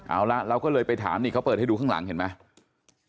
เอาละเราก็เลยไปถามนี่เขาเปิดให้ดูข้างหลังเห็นไหม